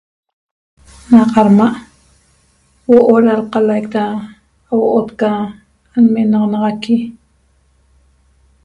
Na qadma' huo'o da lqalaic da au'ot ca nmenaxanaxaqui